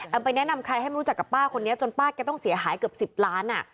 ไปแนะนำใครให้ไม่รู้จักกับป้าคนนี้จนป้าแกต้องเสียหายเกือบ๑๐ล้าน